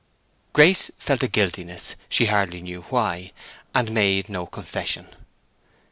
Grace felt a guiltiness—she hardly knew why—and made no confession.